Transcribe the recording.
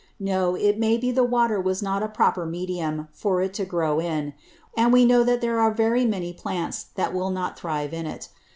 No, it may be the Water was not a proper Medium for it to grow in; and we know there are very many Plants that will not thrive in it.